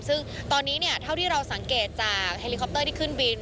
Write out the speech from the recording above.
ซึ่งตอนนี้เท่าที่เราสังเกตจากเฮลิคอปเตอร์ที่ขึ้นบิน